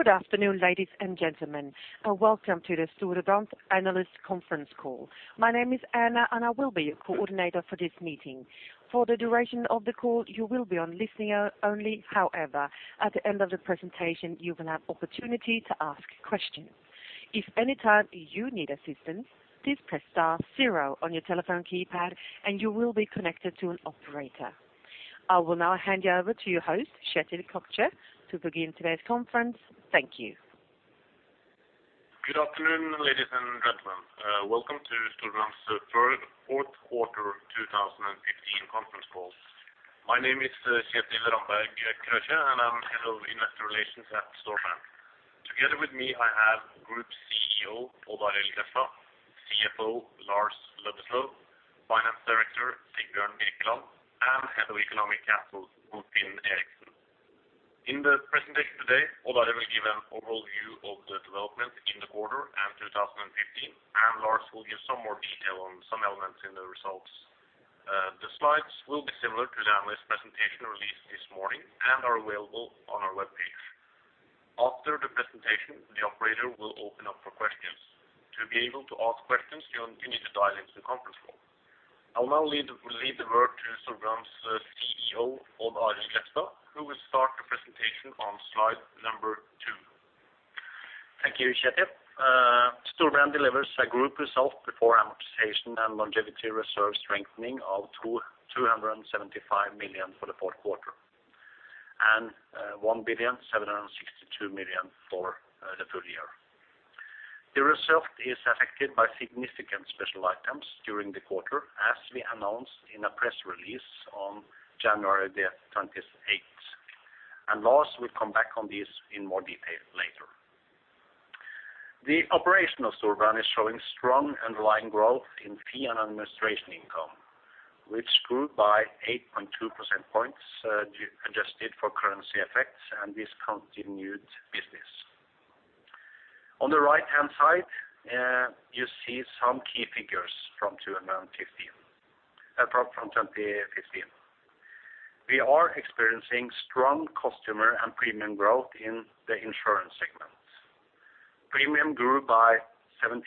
Good afternoon, ladies and gentlemen, and welcome to the Storebrand Analyst Conference Call. My name is Anna, and I will be your coordinator for this meeting. For the duration of the call, you will be on listening only. However, at the end of the presentation, you will have opportunity to ask questions. If any time you need assistance, please press star zero on your telephone keypad, and you will be connected to an operator. I will now hand you over to your host, Kjetil Krøkje, to begin today's conference. Thank you. Good afternoon, ladies and gentlemen. Welcome to Storebrand's third, Q4 2015 conference call. My name is Kjetil Ramberg Krøkje, and I'm Head of Investor Relations at Storebrand. Together with me, I have Group CEO Odd Arild Grefstad, CFO Lars Aa. Løddesøl, Finance Director Sigbjørn Birkeland, and Head of Economic Capital Ulf-Inge Eriksen. In the presentation today, Odd Arild will give an overall view of the development in the quarter and 2015, and Lars will give some more detail on some elements in the results. The slides will be similar to the analyst presentation released this morning and are available on our webpage. After the presentation, the operator will open up for questions. To be able to ask questions, you'll need to dial into the conference call. I'll now lead the word to Storebrand's CEO, Odd Arild Grefstad, who will start the presentation on slide number two. Thank you, Kjetil. Storebrand delivers a group result before amortization and longevity reserve strengthening of 275 million for the Q4, and 1.762 billion for the full year. The result is affected by significant special items during the quarter, as we announced in a press release on January 28, and Lars will come back on this in more detail later. The operation of Storebrand is showing strong underlying growth in fee and administration income, which grew by 8.2 percentage points, adjusted for currency effects and discontinued business. On the right-hand side, you see some key figures from 2015. We are experiencing strong customer and premium growth in the insurance segment. Premium grew by 17%,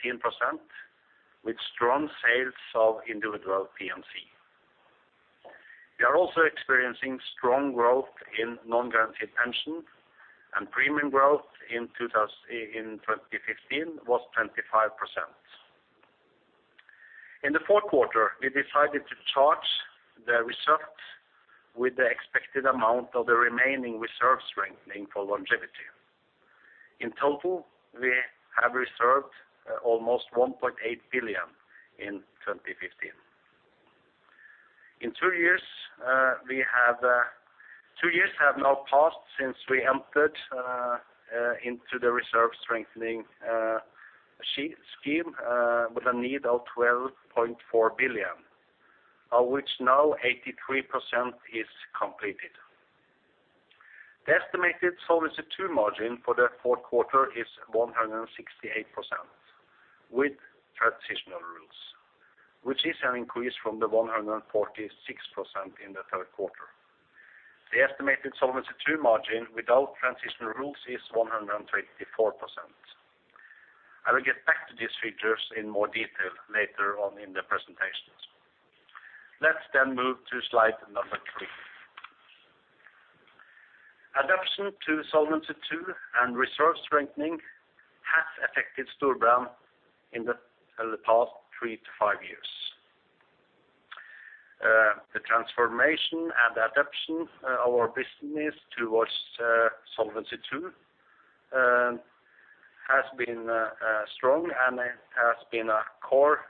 with strong sales of individual P&C. We are also experiencing strong growth in non-guaranteed pension, and premium growth in 2015 was 25%. In the Q4, we decided to charge the result with the expected amount of the remaining reserve strengthening for longevity. In total, we have reserved almost 1.8 billion in 2015. In two years, two years have now passed since we entered into the reserve strengthening scheme with a need of 12.4 billion, of which now 83% is completed. The estimated Solvency II margin for the Q4 is 168%, with transitional rules, which is an increase from the 146% in the Q3. The estimated Solvency II margin without transitional rules is 124%. I will get back to these figures in more detail later on in the presentations. Let's then move to slide number three. Adaptation to Solvency II and reserve strengthening has affected Storebrand in the past three to five years. The transformation and adaptation of our business towards Solvency II has been strong, and it has been a core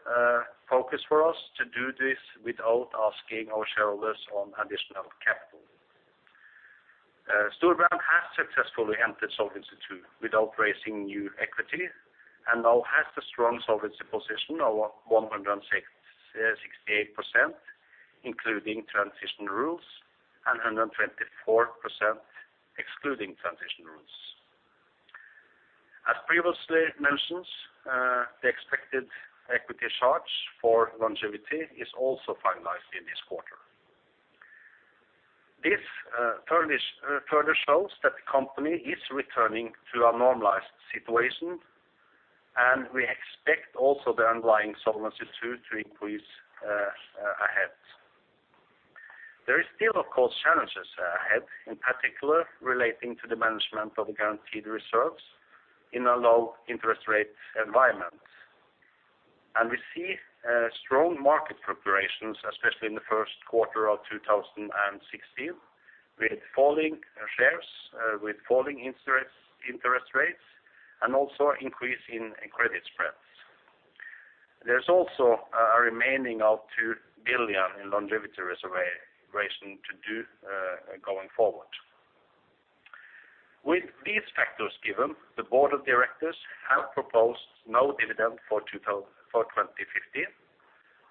focus for us to do this without asking our shareholders on additional capital. Storebrand has successfully entered Solvency II without raising new equity and now has a strong solvency position of 168%, including transition rules, and 124%, excluding transition rules. As previously mentioned, the expected equity charge for longevity is also finalized in this quarter. This further shows that the company is returning to a normalized situation, and we expect also the underlying Solvency II to increase ahead. There is still, of course, challenges ahead, in particular relating to the management of the guaranteed reserves in a low interest rate environment. We see strong market preparations, especially in the Q1 of 2016, with falling shares, with falling interest rates, and also increase in credit spreads. There's also a remaining of 2 billion in longevity reserve to do going forward. With these factors given, the board of directors have proposed no dividend for 2015,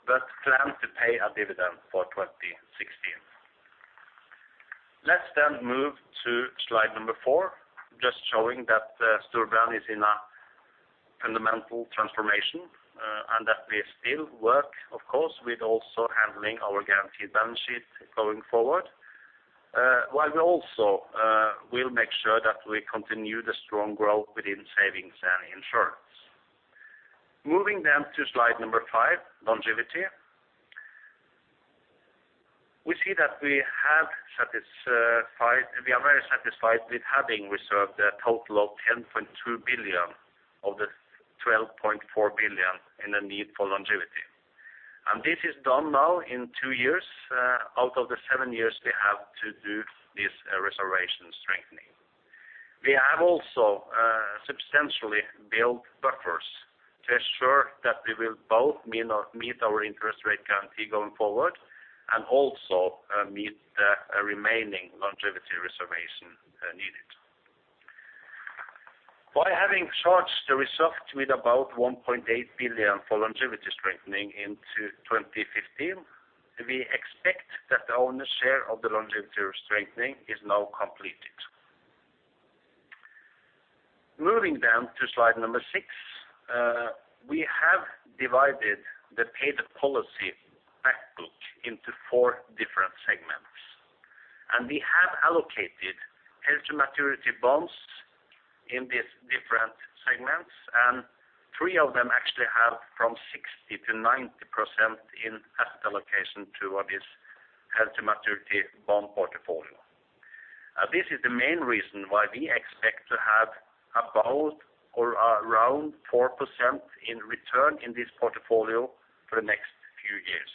but plan to pay a dividend for 2016. Let's move to slide number four, just showing that Storebrand is in a-... fundamental transformation, and that we still work, of course, with also handling our guaranteed balance sheet going forward. While we also will make sure that we continue the strong growth within savings and insurance. Moving down to slide number five, longevity. We see that we have satisfied, we are very satisfied with having reserved a total of 10.2 billion of the 12.4 billion in the need for longevity. And this is done now in two years, out of the seven years we have to do this reservation strengthening. We have also substantially built buffers to ensure that we will both meet our, meet our interest rate guarantee going forward, and also meet the remaining longevity reservation needed. By having charged the result with about 1.8 billion for longevity strengthening into 2015, we expect that the owner's share of the longevity strengthening is now completed. Moving down to slide number six, we have divided the paid-up policy back book into four different segments. We have allocated held-to-maturity bonds in these different segments, and three of them actually have from 60%-90% in asset allocation to this held-to-maturity bond portfolio. This is the main reason why we expect to have about or around 4% in return in this portfolio for the next few years.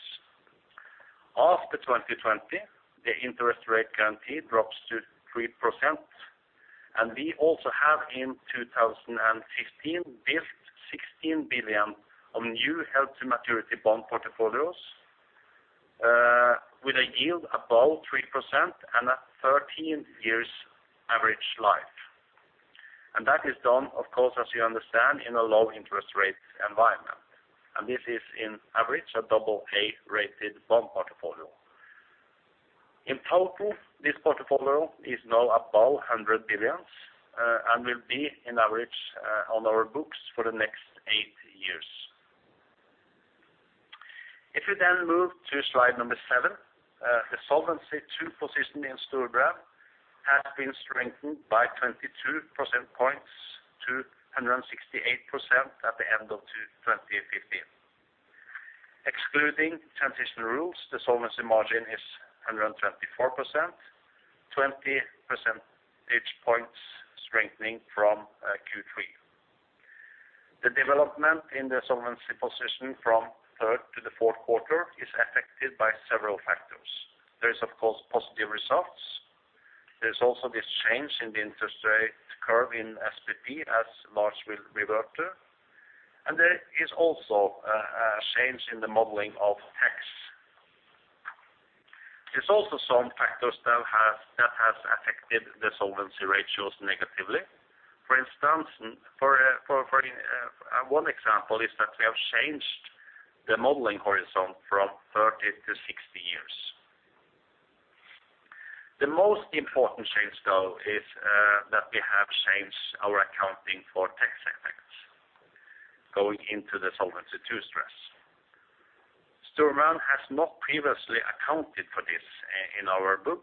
After 2020, the interest rate guarantee drops to 3%, and we also have, in 2015, built 16 billion of new held-to-maturity bond portfolios, with a yield above 3% and a 13 years average life. That is done, of course, as you understand, in a low interest rate environment. And this is in average, a double-A-rated bond portfolio. In total, this portfolio is now above 100 billion, and will be in average, on our books for the next eight years. If we then move to slide number seven, the Solvency II position in Storebrand has been strengthened by 22 percentage points to 168% at the end of 2015. Excluding transition rules, the solvency margin is 124%, 20 percentage points strengthening from Q3. The development in the solvency position from third to the Q4 is affected by several factors. There is, of course, positive results. There's also this change in the interest rate curve in SBP as lars will revert to, and there is also a change in the modeling of tax. There's also some factors that have affected the solvency ratios negatively. For instance, one example is that we have changed the modeling horizon from 30 to 60 years. The most important change, though, is that we have changed our accounting for tax effects going into the Solvency II stress. Storebrand has not previously accounted for this in our book,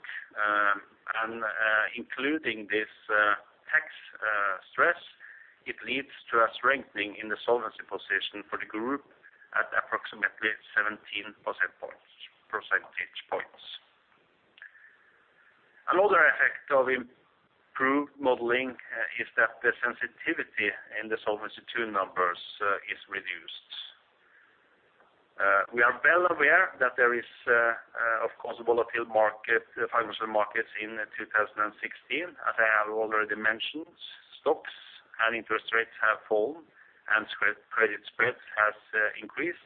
and including this tax stress, it leads to a strengthening in the solvency position for the group at approximately 17 percentage points. Another effect of improved modeling is that the sensitivity in the Solvency II numbers is reduced. We are well aware that there is a, of course, a volatile market, financial markets in 2016. As I have already mentioned, stocks and interest rates have fallen, and spread, credit spreads has, increased.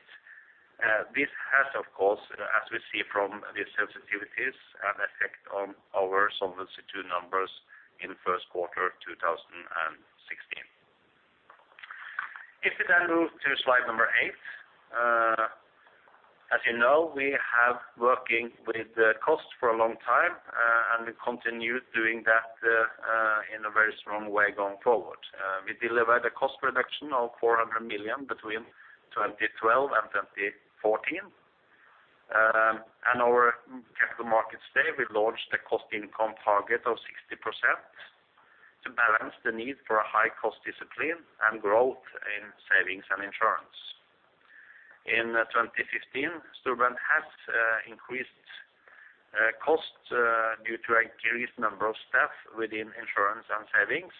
This has, of course, as we see from the sensitivities, an effect on our Solvency II numbers in Q1 2016. If we then move to slide number eight, as you know, we have working with the cost for a long time, and we continue doing that, in a very strong way going forward. We delivered a cost reduction of 400 million between 2012 and 2014. Our Capital Markets Day, we launched a cost-income target of 60% to balance the need for a high cost discipline and growth in savings and insurance. In 2015, Storebrand has increased costs due to increased number of staff within insurance and savings,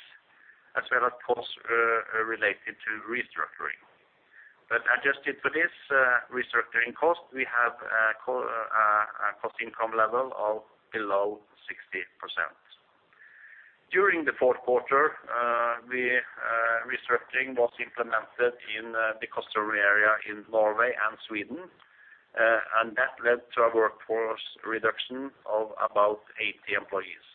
as well as costs related to restructuring. But adjusted for this restructuring cost, we have a cost-income level of below 60%. During the Q4, restructuring was implemented in the customer area in Norway and Sweden, and that led to a workforce reduction of about 80 employees.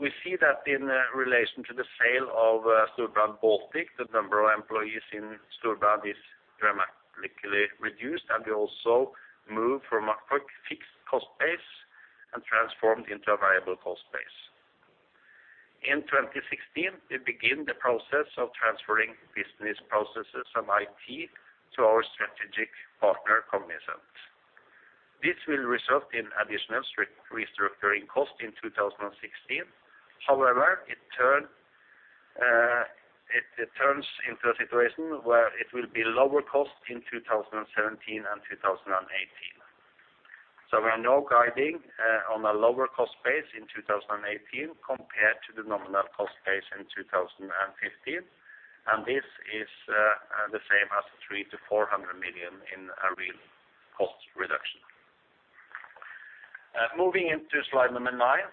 We see that in relation to the sale of Storebrand Baltic, the number of employees in Storebrand is dramatically reduced, and we also move from a quick fixed cost base and transformed into a viable cost base. In 2016, we begin the process of transferring business processes and IT to our strategic partner, Cognizant. This will result in additional restructuring costs in 2016. However, it turns into a situation where it will be lower cost in 2017 and 2018. So we are now guiding on a lower cost base in 2018 compared to the nominal cost base in 2015, and this is the same as 300- 400 million in a real cost reduction. Moving into slide number nine,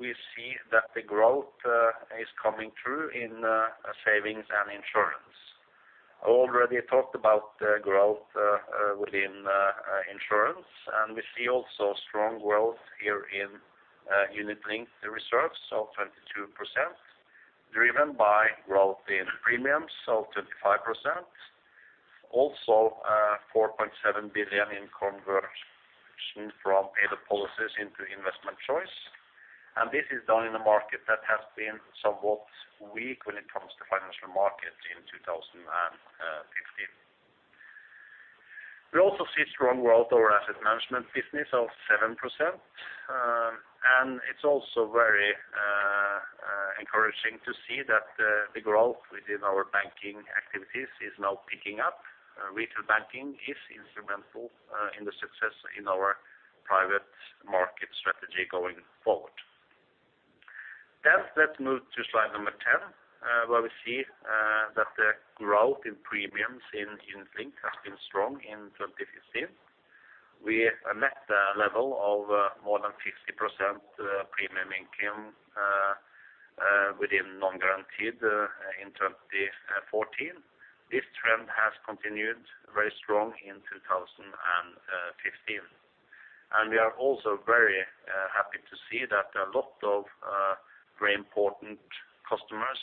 we see that the growth is coming through in savings and insurance. I already talked about the growth within insurance, and we see also strong growth here in unit-linked reserves of 22%, driven by growth in premiums of 35%. Also, 4.7 billion in conversion from paid-up policies into investment choice, and this is done in a market that has been somewhat weak when it comes to financial markets in 2015. We also see strong growth over asset management business of 7%, and it's also very encouraging to see that the growth within our banking activities is now picking up. Retail banking is instrumental in the success in our private market strategy going forward. Then let's move to slide number 10, where we see that the growth in premiums in unit-linked has been strong in 2015. We met the level of more than 50% premium income within non-guaranteed in 2014. This trend has continued very strong in 2015. And we are also very happy to see that a lot of very important customers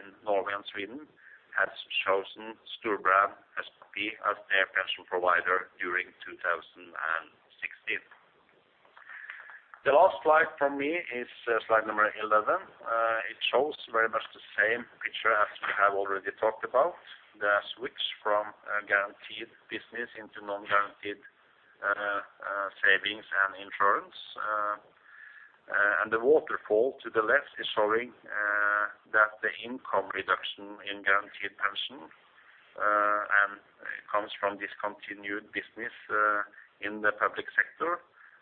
in Norway and Sweden have chosen Storebrand SPP as their pension provider during 2016. The last slide for me is slide number 11. It shows very much the same picture as we have already talked about, the switch from guaranteed business into non-guaranteed savings and insurance. And the waterfall to the left is showing that the income reduction in guaranteed pension and comes from discontinued business in the public sector,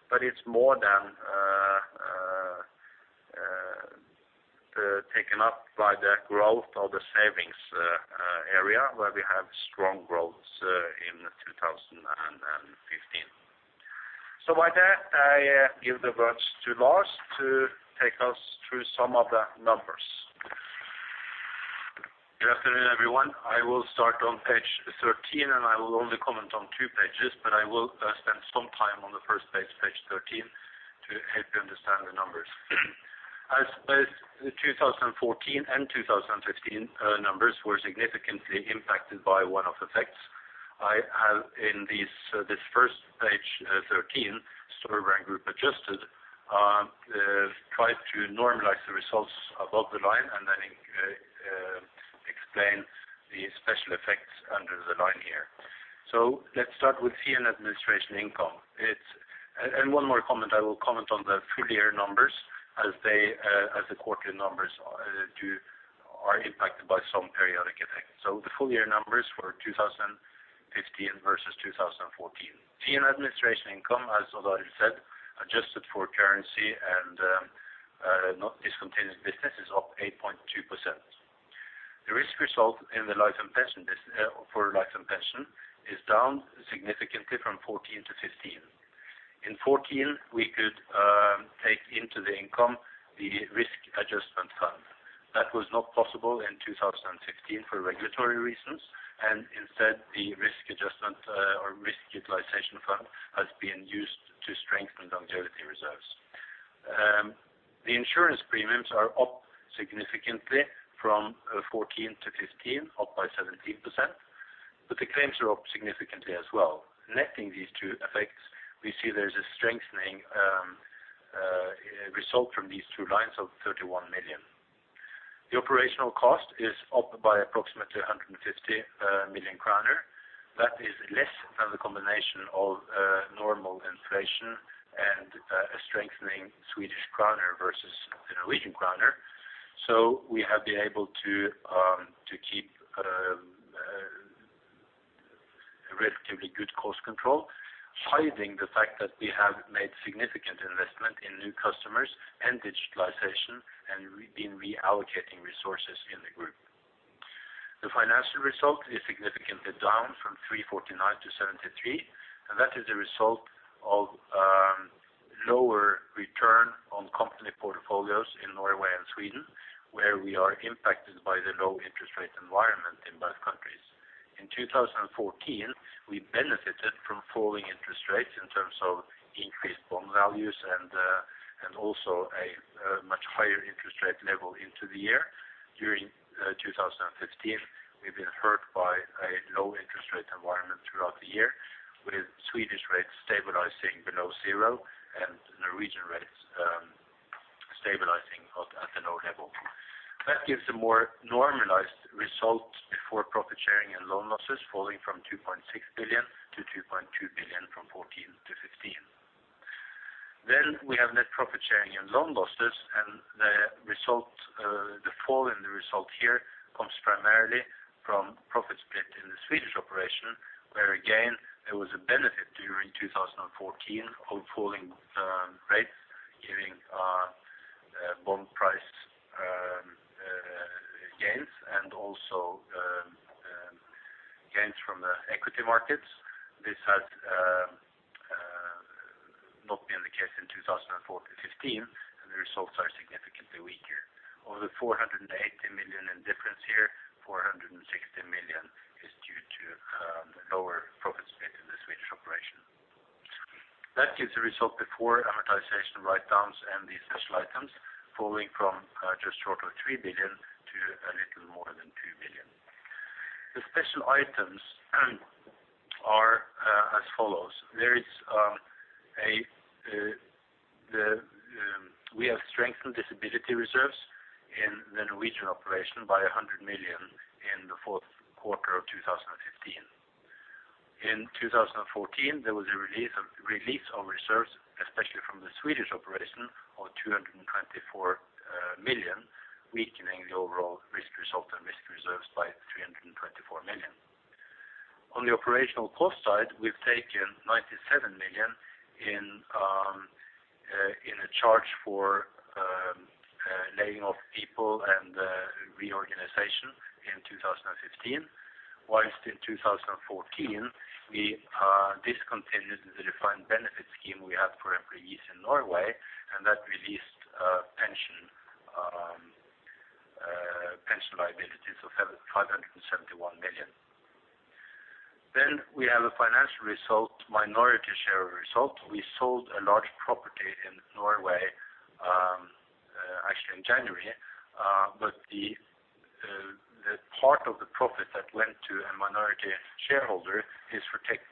but it's more than taken up by the growth of the savings area, where we have strong growth in 2015. So with that, I give the words to Lars to take us through some of the numbers. Good afternoon, everyone. I will start on page 13, and I will only comment on two pages, but I will spend some time on the first page, page 13, to help you understand the numbers. As both the 2014 and 2015 numbers were significantly impacted by one-off effects, I have in this first page, 13, Storebrand Group adjusted, tried to normalize the results above the line and then explain the special effects under the line here. So let's start with fee and administration income. It's-- and one more comment, I will comment on the full year numbers as they, as the quarterly numbers are impacted by some periodic effects. So the full year numbers for 2015 versus 2014. Fee and administration income, as Odd Arild Grefstad said, adjusted for currency and not discontinued business, is up 8.2%. The risk result in the life and pension business for life and pension is down significantly from 2014 to 2015. In 2014, we could take into the income the risk adjustment fund. That was not possible in 2015 for regulatory reasons, and instead, the risk adjustment or risk utilization fund has been used to strengthen longevity reserves. The insurance premiums are up significantly from 2014 to 2015, up by 17%, but the claims are up significantly as well. Netting these two effects, we see there's a strengthening result from these two lines of 31 million. The operational cost is up by approximately 150 million kroner. That is less than the combination of normal inflation and a strengthening Swedish kroner versus the Norwegian kroner. So we have been able to keep a relatively good cost control, hiding the fact that we have made significant investment in new customers and digitalization, and we've been reallocating resources in the group. The financial result is significantly down from 349-73, and that is a result of lower return on company portfolios in Norway and Sweden, where we are impacted by the low interest rate environment in both countries. In 2014, we benefited from falling interest rates in terms of increased bond values and also a much higher interest rate level into the year. During 2015, we've been hurt by a low interest rate environment throughout the year, with Swedish rates stabilizing below zero and Norwegian rates stabilizing at a low level. That gives a more normalized result before profit sharing and loan losses, falling from 2.6 billion to 2.2 billion from 2014 to 2015. Then we have net profit sharing and loan losses, and the result, the fall in the result here comes primarily from profit split in the Swedish operation, where again, there was a benefit during 2014 of falling rates, giving bond price gains, and also gains from the equity markets. This has not been the case in 2014-2015, and the results are significantly weaker. Of the 480 million in difference here, 460 million is due to lower profit split in the Swedish operation. That gives a result before amortization, write downs, and the special items, falling from just short of 3 billion to a little more than 2 billion. The special items are as follows: There is a the... we have strengthened disability reserves in the Norwegian operation by 100 million in the Q4 of 2015. In 2014, there was a release of reserves, especially from the Swedish operation, of 224 million, weakening the overall risk result and risk reserves by 324 million. On the operational cost side, we've taken 97 million in a charge for laying off people and reorganization in 2015, while in 2014, we discontinued the defined benefit scheme we had for employees in Norway, and that released pension liabilities of 571 million. Then we have a financial result, minority share result. We sold a large property in Norway, actually in January, but the part of the profit that went to a minority shareholder is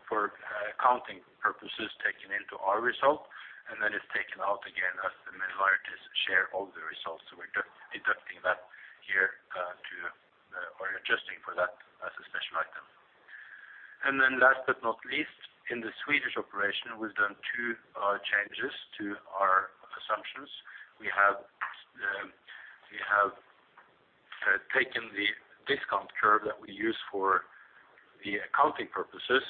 for accounting purposes, taken into our result, and then it's taken out again as the minorities share all the results, so we're deducting that here, or adjusting for that as a special item. Last but not least, in the Swedish operation, we've done two changes to our assumptions. We have taken the discount curve that we use for the accounting purposes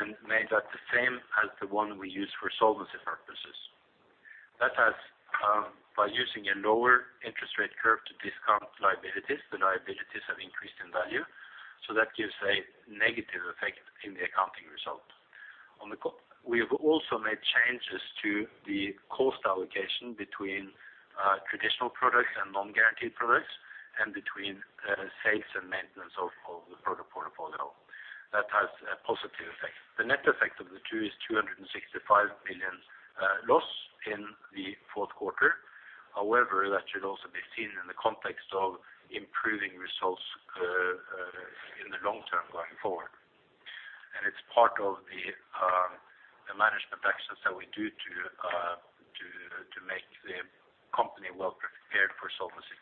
and made that the same as the one we use for solvency purposes. That has, by using a lower interest rate curve to discount liabilities, the liabilities have increased in value, so that gives a negative effect in the accounting result. We have also made changes to the cost allocation between traditional products and non-guaranteed products, and between sales and maintenance of the product portfolio. That has a positive effect. The net effect of the two is 265 million loss in the Q4. However, that should also be seen in the context of improving results in the long term going forward, and it's part of the management actions that we do to make the company well prepared for Solvency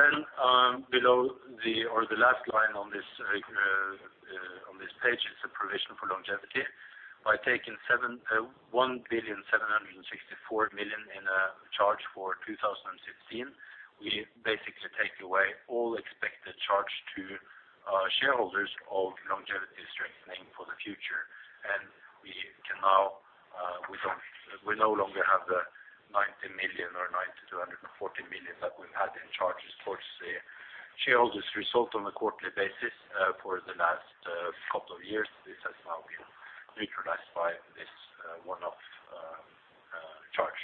II. Below the... or the last line on this page is a provision for longevity. By taking 1.764 billion in a charge for 2016, we basically take away all expected charge to shareholders of longevity strengthening for the future. We no longer have the 90 million or 90-140 million that we've had in charges towards the shareholders' result on a quarterly basis for the last couple of years. This has now been neutralized by this one-off charge.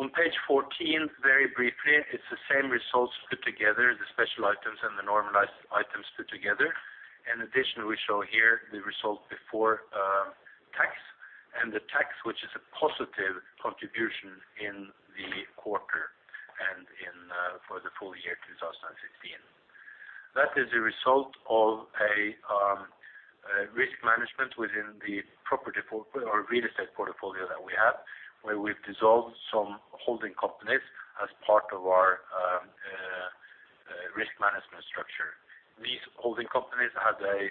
On page 14, very briefly, it's the same results put together, the special items and the normalized items put together. In addition, we show here the result before tax, and the tax, which is a positive contribution in the quarter and in for the full year 2016. That is a result of a risk management within the property portfolio or real estate portfolio that we have, where we've dissolved some holding companies as part of our risk management structure. These holding companies had a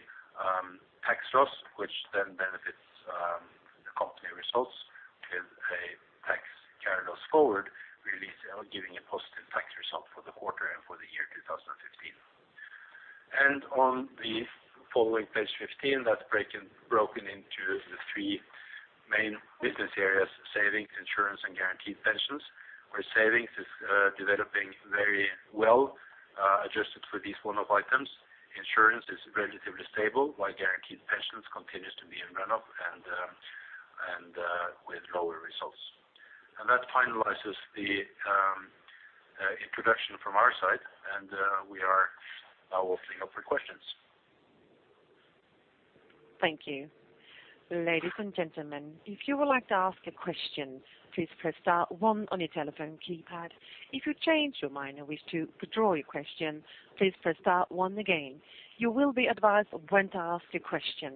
tax loss, which then benefits the company results with a tax loss carryforward, really, giving a positive tax result for the quarter and for the year 2015. On the following page 15, that's broken into the three main business areas: savings, insurance, and guaranteed pensions, where savings is developing very well, adjusted for these one-off items. Insurance is relatively stable, while guaranteed pensions continues to be in run-off and with lower results. That finalizes the introduction from our side, and we are now opening up for questions. Thank you. Ladies and gentlemen, if you would like to ask a question, please press star one on your telephone keypad. If you change your mind and wish to withdraw your question, please press star one again. You will be advised of when to ask your question.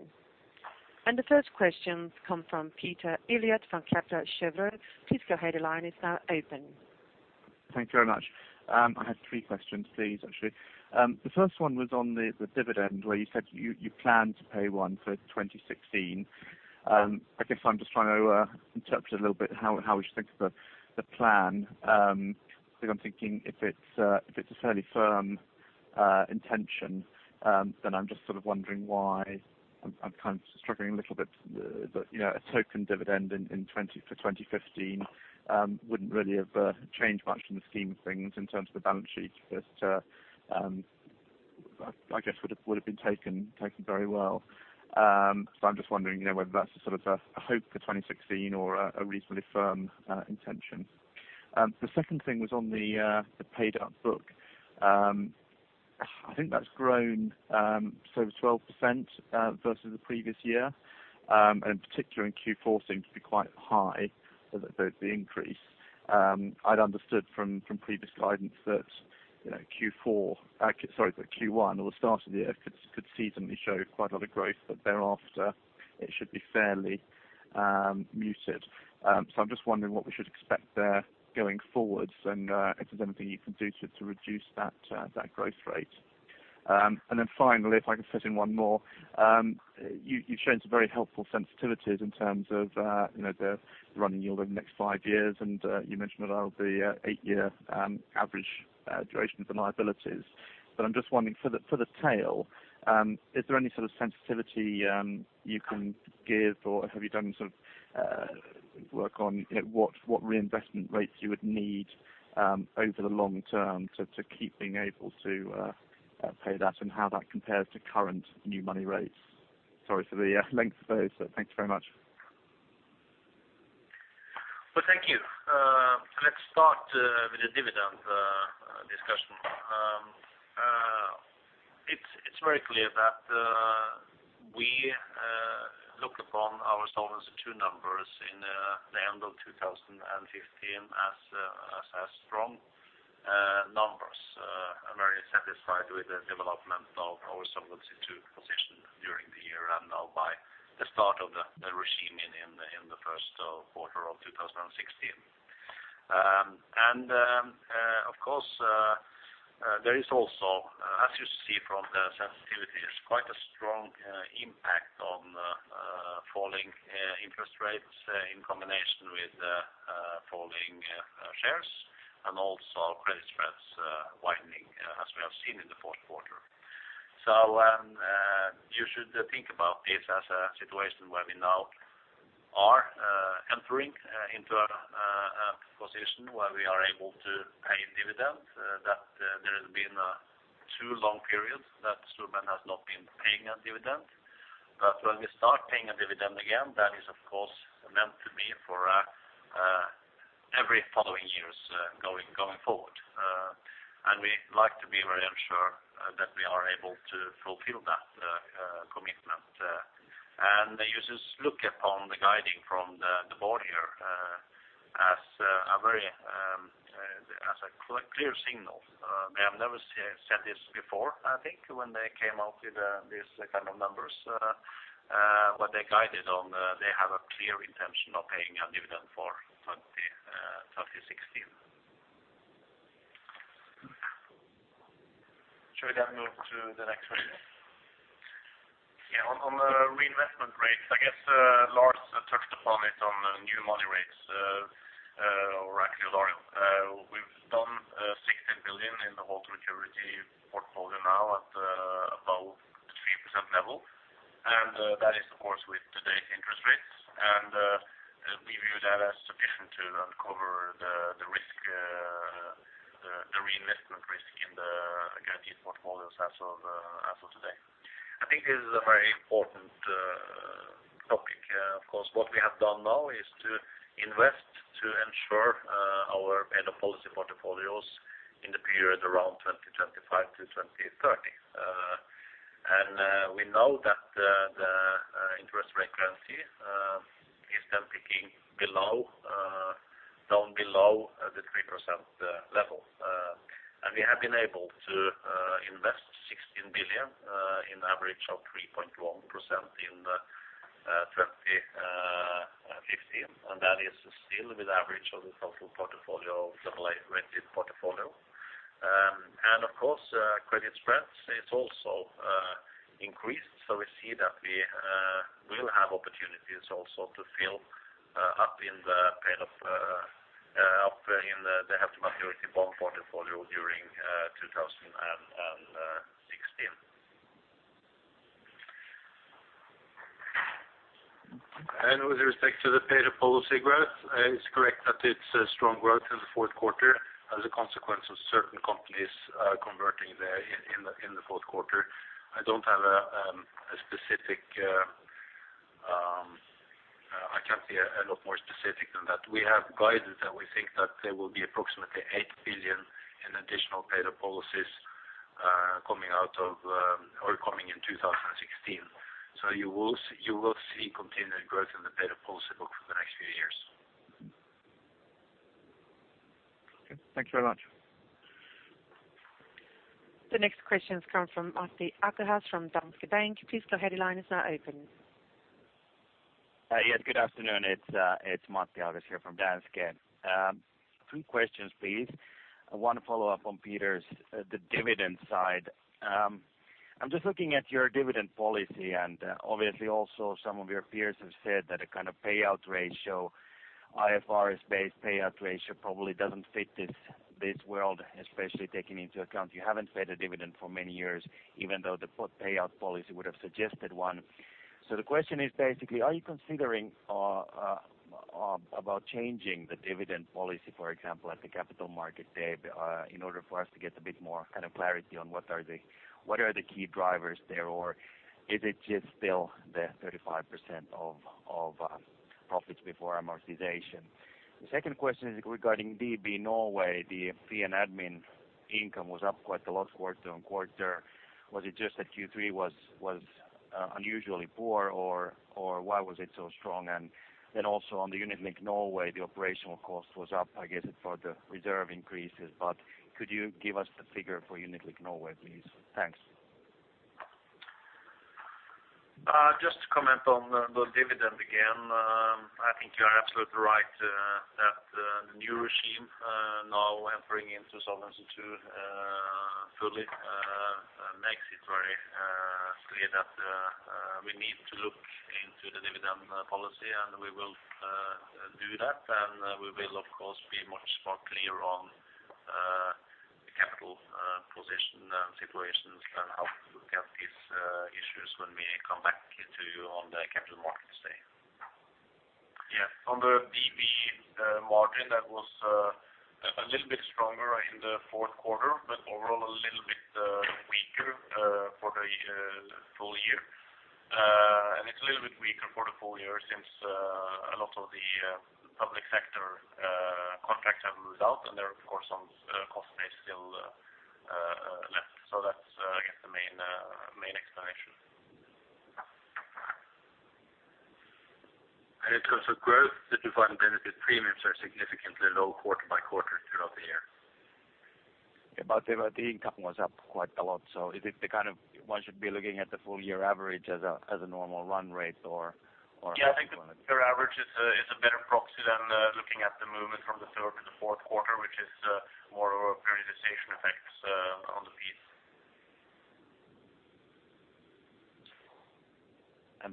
The first question comes from Peter Eliot from Kepler Cheuvreux. Please go ahead, your line is now open. Thank you very much. I have three questions, please, actually. The first one was on the dividend, where you said you plan to pay one for 2016. I guess I'm just trying to interpret a little bit how we should think of the plan. Because I'm thinking if it's a fairly firm intention, then I'm just sort of wondering why I'm kind of struggling a little bit that, you know, a token dividend in twenty fifteen wouldn't really have changed much in the scheme of things in terms of the balance sheet, but I guess would have been taken very well. So I'm just wondering, you know, whether that's a sort of a hope for 2016 or a reasonably firm intention. The second thing was on the paid-up book. I think that's grown sort of 12% versus the previous year. And in particular, in Q4 seems to be quite high, the increase. I'd understood from previous guidance that, you know, Q4, sorry, the Q1 or the start of the year could seasonally show quite a lot of growth, but thereafter it should be fairly muted. So I'm just wondering what we should expect there going forward, and if there's anything you can do to reduce that growth rate? And then finally, if I could fit in one more. You've shown some very helpful sensitivities in terms of, you know, the running yield over the next five years, and you mentioned about the eight-year average duration for liabilities. But I'm just wondering, for the tail, is there any sort of sensitivity you can give, or have you done sort of work on, you know, what reinvestment rates you would need over the long term to keep being able to pay that and how that compares to current new money rates? Sorry for the length of those. Thank you very much. Well, thank you. Let's start with the dividend discussion. It's very clear that we look upon our Solvency II numbers in the end of 2015 as a strong numbers. I'm very satisfied with the development of our Solvency II position during the year and now by the start of the regime in the Q1 of 2016. And of course, there is also, as you see from the sensitivities, quite a strong impact on falling interest rates in combination with falling shares and also credit spreads widening, as we have seen in the Q4. You should think about this as a situation where we now are entering into a position where we are able to pay a dividend. That there has been two long periods that Storebrand has not been paying a dividend. But when we start paying a dividend again, that is, of course, meant to be for every following years going forward. And we like to be very sure that we are able to fulfill that commitment. And you just look upon the guidance from the board here as a very clear signal. They have never said this before, I think, when they came out with this kind of numbers, what they guided on, they have a clear intention of paying a dividend for 2016. Should we then move to the next question? Yeah, on the reinvestment rates, I guess, Lars touched upon it on the new money rates, or actually, Daniel. We've done 16 billion in the held-to-maturity portfolio now at above the 3% level. And that is, of course, with today's interest rates. And we view that as sufficient to uncover the risk, the reinvestment risk in the, again, these portfolios as of today. I think this is a very important topic. Of course, what we have done now is to invest to ensure our paid-up policy portfolios in the period around 2025-2030. And we know that the interest rate guarantee is then peaking below, down below the 3% level. And we have been able to invest 16 billion at an average of 3.1% in 2015, and that is still with average of the total portfolio, the rated portfolio. And of course, credit spreads, it's also increased, so we see that we will have opportunities also to fill up in the paid-up, up in the, the held-to-maturity bond portfolio during 2016. With respect to the paid-up policy growth, it's correct that it's a strong growth in the Q4 as a consequence of certain companies converting there in the Q4. I don't have a...... I can't be a lot more specific than that. We have guided that we think that there will be approximately 8 billion in additional paid-up policies, coming out of, or coming in 2016. So you will see, you will see continued growth in the paid-up policy book for the next few years. Okay, thanks very much. The next question comes from Matti Aaltonen from Danske Bank. Please, your line is now open. Yes, good afternoon. It's Matti Aaltonen here from Danske. A few questions, please. I want to follow up on Peter's the dividend side. I'm just looking at your dividend policy, and obviously also some of your peers have said that a kind of payout ratio, IFRS-based payout ratio probably doesn't fit this, this world, especially taking into account you haven't paid a dividend for many years, even though the payout policy would have suggested one. So the question is, basically, are you considering about changing the dividend policy, for example, at the Capital Markets Day, in order for us to get a bit more kind of clarity on what are the key drivers there? Or is it just still the 35% of profits before amortization? The second question is regarding DB Norway. The fee and admin income was up quite a lot quarter-on-quarter. Was it just that Q3 was unusually poor, or why was it so strong? And then also on the Unit-Linked Norway, the operational cost was up, I guess, for the reserve increases. But could you give us the figure for Unit-Linked Norway, please? Thanks. Just to comment on the dividend again, I think you are absolutely right, that the new regime now entering into Solvency II fully makes it very clear that we need to look into the dividend policy, and we will do that. We will, of course, be much more clear on the capital position and situations and how to look at these issues when we come back to you on the Capital Markets Day. Yeah. On the DB margin, that was a little bit stronger in the Q4, but overall a little bit weaker for the full year. It's a little bit weaker for the full year since a lot of the public sector contracts have moved out, and there, of course, some costs may still be left. That's, I guess, the main explanation. In terms of growth, the Defined Benefit premiums are significantly low quarter by quarter throughout the year. But the income was up quite a lot. So is it the kind of one should be looking at the full year average as a normal run rate, or- Yeah, I think the year average is a better proxy than looking at the movement from the third to the Q4, which is more of a periodization effects on the piece.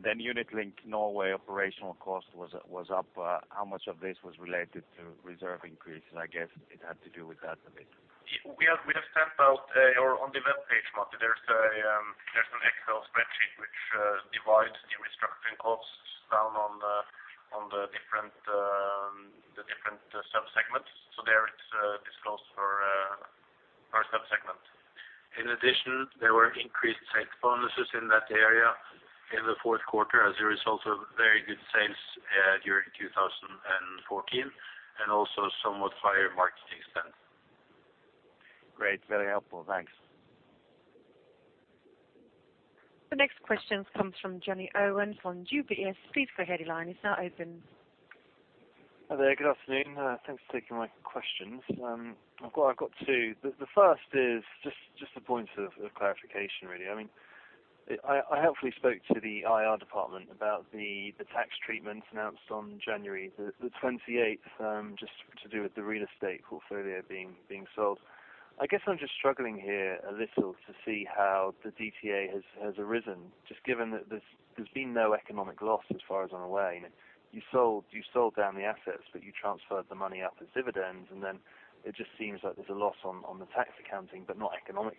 Unit-Linked Norway operational cost was up. How much of this was related to reserve increases? I guess it had to do with that a bit. Yeah, we have, we have sent out. Or on the web page, Matti, there's a, there's an Excel spreadsheet which divides the restructuring costs down on the, on the different, the different sub-segments. So there it's disclosed for, per sub-segment. In addition, there were increased sales bonuses in that area in the Q4 as a result of very good sales during 2014, and also somewhat higher marketing spend. Great. Very helpful. Thanks. The next question comes from Jonny Owen from UBS. Please, your line is now open. Hi there. Good afternoon. Thanks for taking my questions. I've got two. The first is just a point of clarification, really. I mean, I hopefully spoke to the IR department about the tax treatment announced on January the 28th, just to do with the real estate portfolio being sold. I guess I'm just struggling here a little to see how the DTA has arisen, just given that there's been no economic loss as far as I'm aware. You sold down the assets, but you transferred the money out as dividends, and then it just seems like there's a loss on the tax accounting, but not economically.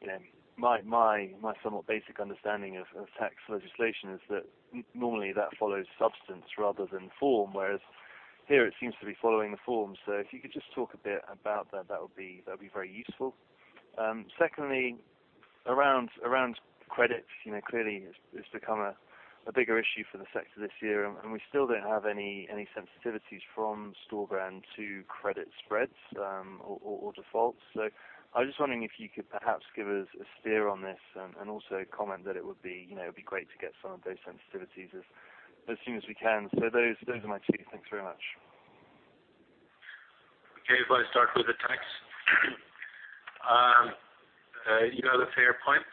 You know, my somewhat basic understanding of tax legislation is that normally that follows substance rather than form, whereas here it seems to be following the form. So if you could just talk a bit about that, that would be, that'd be very useful. Secondly, around credit, you know, clearly it's become a bigger issue for the sector this year, and we still don't have any sensitivities from Storebrand to credit spreads, or defaults. So I was just wondering if you could perhaps give us a steer on this and also comment that it would be, you know, it'd be great to get some of those sensitivities as soon as we can. So those are my two. Thanks very much. Okay. If I start with the tax, you have a fair point.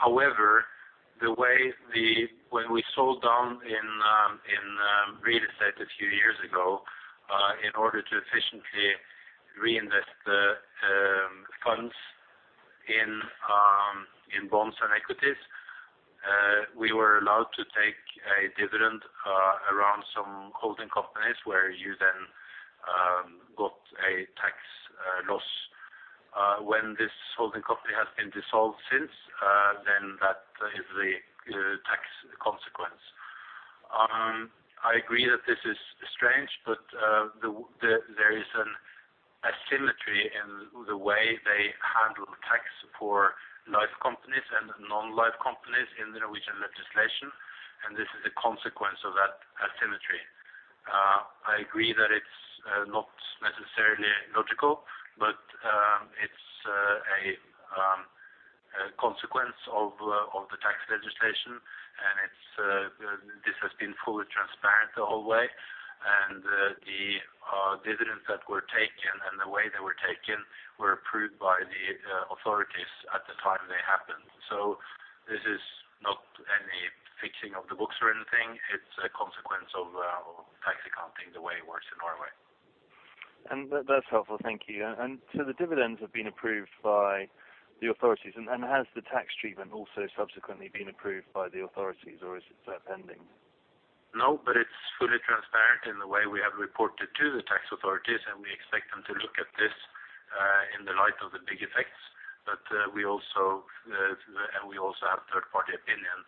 However, the way the, when we sold down in real estate a few years ago, in order to efficiently reinvest the funds in bonds and equities, we were allowed to take a dividend around some holding companies, where you then got a tax loss. When this holding company has been dissolved since, then that is the tax consequence. I agree that this is strange, but the, there is an asymmetry in the way they handle tax for life companies and non-life companies in the Norwegian legislation, and this is a consequence of that asymmetry. I agree that it's not necessarily logical, but it's a consequence of the tax legislation, and it's this has been fully transparent the whole way. And the dividends that were taken and the way they were taken were approved by the authorities at the time they happened. So this is not any fixing of the books or anything. It's a consequence of tax accounting, the way it works in Norway. And that, that's helpful. Thank you. And so the dividends have been approved by the authorities, and has the tax treatment also subsequently been approved by the authorities, or is it still pending? No, but it's fully transparent in the way we have reported to the tax authorities, and we expect them to look at this, in the light of the big effects. But, we also have third party opinion,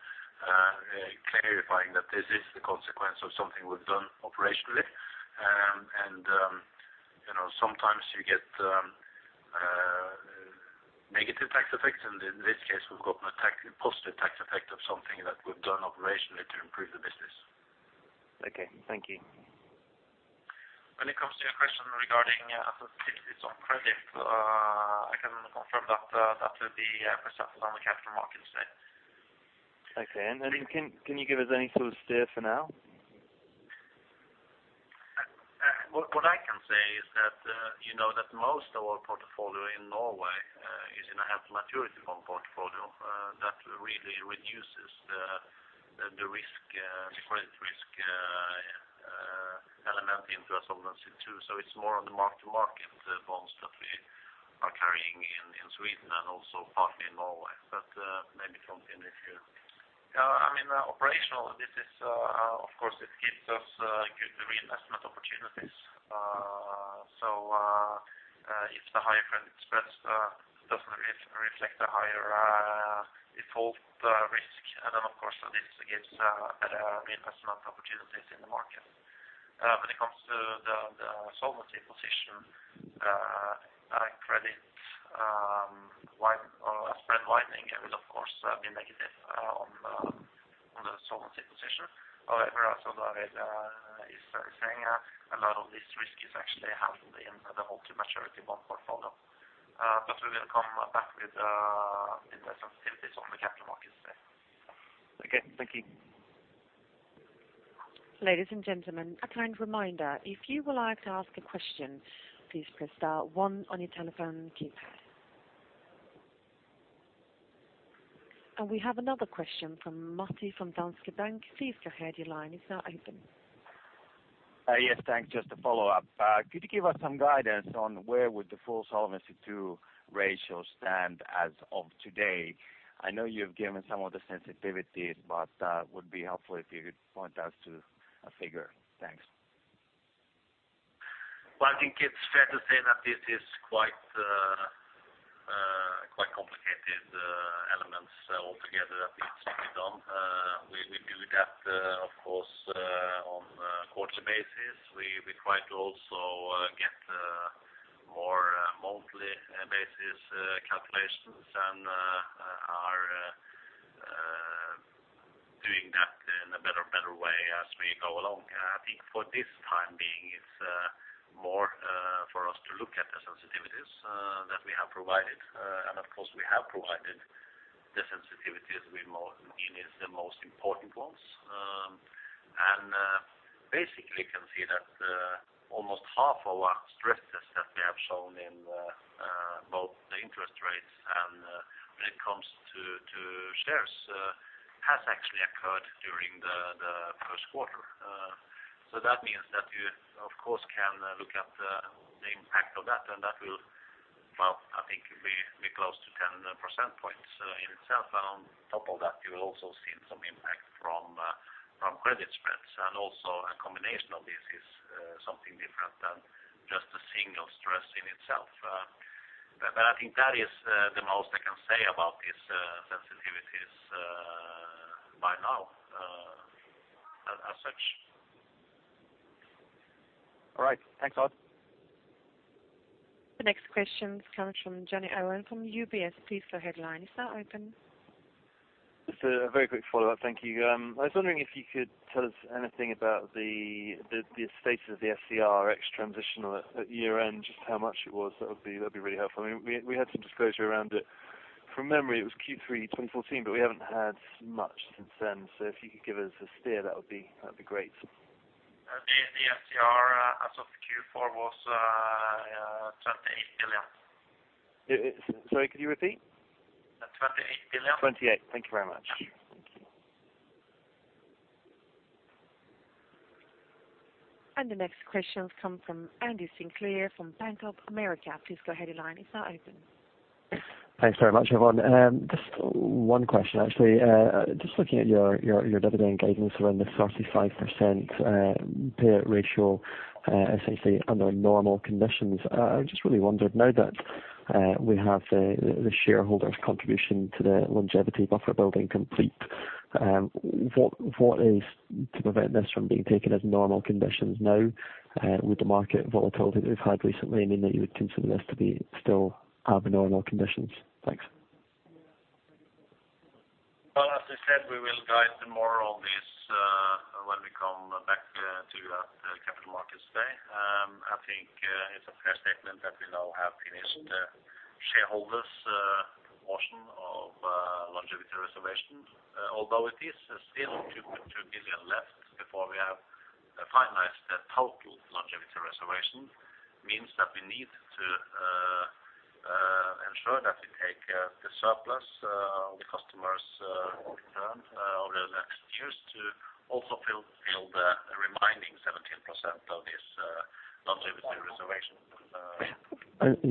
clarifying that this is the consequence of something we've done operationally. You know, sometimes you get, negative tax effects, and in this case, we've got a positive tax effect of something that we've done operationally to improve the business. Okay, thank you. When it comes to your question regarding sensitivities on credit, I can confirm that that will be presented on the Capital Markets Day. Okay. And can you give us any sort of steer for now? What I can say is that, you know, most of our portfolio in Norway is in a held-to-maturity bond portfolio that really reduces the risk, the credit risk element into Solvency II. So it's more on the mark-to-market, the bonds that we are carrying in Sweden and also partly in Norway, but maybe Lars if you- Yeah, I mean, operationally, this is, of course, it gives us good reinvestment opportunities. So, if the higher credit spreads doesn't reflect a higher default risk, and then of course, this gives better reinvestment opportunities in the market. When it comes to the solvency position, credit spread widening, it will of course be negative on the solvency position. However, as David is saying, a lot of this risk is actually handled in the held-to-maturity bond portfolio. But we will come back with the sensitivities on the Capital Markets Day. Okay, thank you. Ladies and gentlemen, a kind reminder, if you would like to ask a question, please press star one on your telephone keypad. We have another question from Matti from Danske Bank. Please go ahead, your line is now open. Yes, thanks. Just to follow up, could you give us some guidance on where would the full Solvency II ratio stand as of today? I know you've given some of the sensitivities, but, would be helpful if you could point us to a figure. Thanks. Well, I think it's fair to say that this is quite, quite complicated elements altogether that needs to be done. We do that, of course, on a quarterly basis. We try to also get more monthly basis calculations and are doing that in a better and better way as we go along. I think for this time being, it's more for us to look at the sensitivities that we have provided. And of course, we have provided the sensitivities we think is the most important ones. And basically, you can see that almost half of our stress test that we have shown in both the interest rates and when it comes to shares has actually occurred during the Q1. So that means that you, of course, can look at the impact of that, and that will, well, I think be close to 10 percentage points, in itself. And on top of that, you will also see some impact from credit spreads. And also a combination of this is something different than just a single stress in itself. But I think that is the most I can say about these sensitivities, by now, as such. All right. Thanks a lot. The next question comes from Jonny Owen from UBS. Please go ahead, line is now open. Just a very quick follow-up. Thank you. I was wondering if you could tell us anything about the status of the SCR ex transition at year-end, just how much it was. That would be, that'd be really helpful. I mean, we had some disclosure around it. From memory, it was Q3 2014, but we haven't had much since then. So if you could give us a steer, that would be, that'd be great. The SCR as of Q4 was 28 billion. Sorry, could you repeat? Twenty-eight billion. 28. Thank you very much. Thank you. The next question comes from Andy Sinclair, from Bank of America. Please go ahead, your line is now open. Thanks very much, Yvonne. Just one question, actually. Just looking at your dividend guidance around the 35% payout ratio, essentially under normal conditions. I just really wondered, now that-... we have the shareholders' contribution to the longevity buffer building complete. What is to prevent this from being taken as normal conditions now, with the market volatility that we've had recently, mean that you would consider this to be still abnormal conditions? Thanks. Well, as I said, we will guide tomorrow on this, when we come back, to that Capital Markets Day. I think, it's a fair statement that we now have finished, shareholders', portion of, longevity reservations. Although it is still 2.2 billion left before we have finalized the total longevity reservation, means that we need to ensure that we take, the surplus, the customers', return, over the next years to also build the remaining 17% of this, longevity reservation.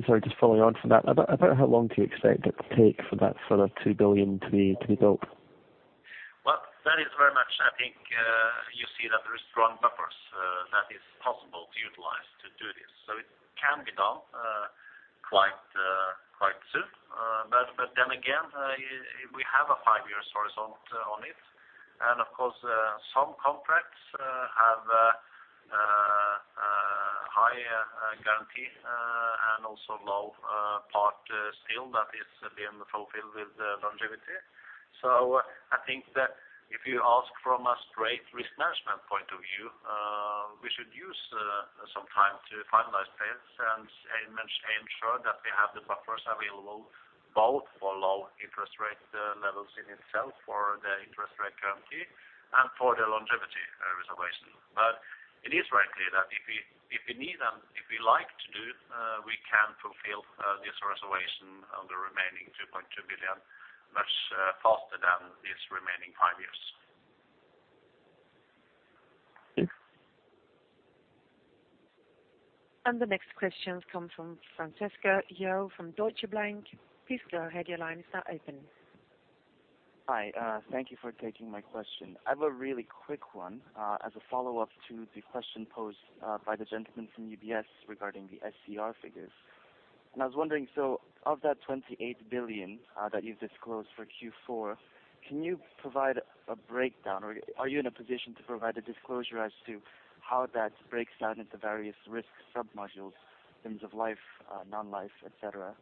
Sorry, just following on from that. About how long do you expect it to take for that sort of 2 billion to be built? Well, that is very much, I think, you see that there is strong buffers that is possible to utilize to do this. So it can be done quite soon. But then again, we have a five year horizon on it. And of course, some contracts have a high guarantee and also low part still that is being fulfilled with the longevity. So I think that if you ask from a straight risk management point of view, we should use some time to finalize this and ensure that we have the buffers available, both for low interest rate levels in itself, for the interest rate guarantee, and for the longevity reservation. But it is very clear that if we need and if we like to do, we can fulfill this reservation on the remaining 2.2 billion much faster than these remaining five years. Thank you. The next question comes from Francisco Sherwood from Deutsche Bank. Please go ahead, your line is now open. Hi, thank you for taking my question. I have a really quick one, as a follow-up to the question posed by the gentleman from UBS regarding the SCR figures. I was wondering, so of that 28 billion that you've disclosed for Q4, can you provide a breakdown? Or are you in a position to provide a disclosure as to how that breaks down into various risk sub-modules, in terms of life, non-life, et cetera?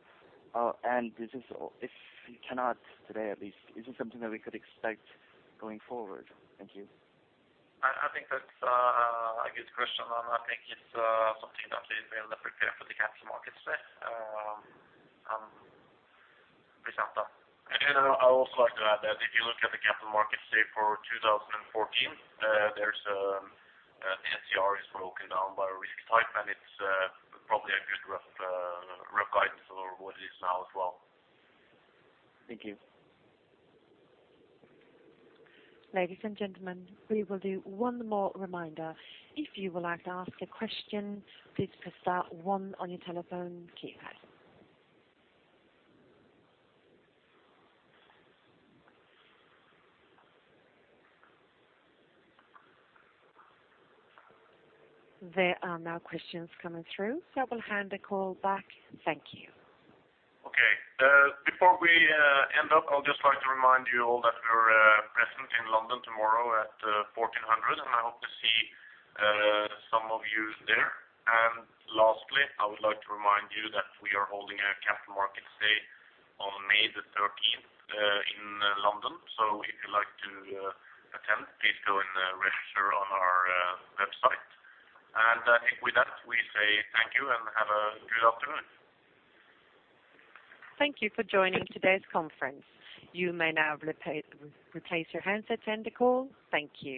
And is this... If you cannot, today at least, is this something that we could expect going forward? Thank you. I think that's a good question, and I think it's something that we will prepare for the Capital Markets Day. And [microsoft]? I'd also like to add that if you look at the Capital Markets Day for 2014, there's SCR is broken down by risk type, and it's probably a good rough guidance for what it is now as well. Thank you. Ladies and gentlemen, we will do one more reminder. If you would like to ask a question, please press star one on your telephone keypad. There are no questions coming through, so I will hand the call back. Thank you. Okay. Before we end up, I would just like to remind you all that we're present in London tomorrow at 2:00 P.M., and I hope to see some of you there. And lastly, I would like to remind you that we are holding our Capital Markets Day on May the thirteenth in London. So if you'd like to attend, please go and register on our website. And I think with that, we say thank you and have a good afternoon. Thank you for joining today's conference. You may now replace your handsets and end the call. Thank you.